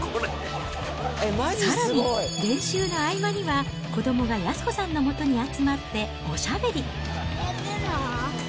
さらに、練習の合間には子どもが安子さんのもとに集まっておしゃべり。